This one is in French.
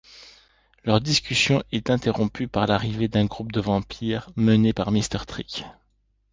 Leur discussion est interrompue par l'arrivée d'un groupe de vampires mené par Mister Trick.